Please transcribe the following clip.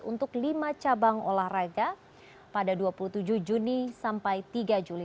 untuk lima cabang olahraga pada dua puluh tujuh juni sampai tiga juli